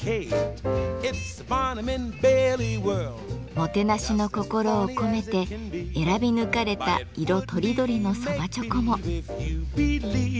もてなしの心を込めて選び抜かれた色とりどりの蕎麦猪口も。